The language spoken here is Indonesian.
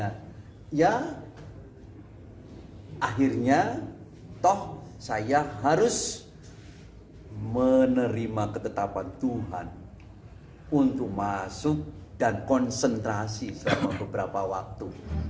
nah ya akhirnya toh saya harus menerima ketetapan tuhan untuk masuk dan konsentrasi selama beberapa waktu